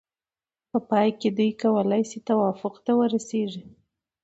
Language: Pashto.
په پای کې دوی کولای شي توافق ته ورسیږي.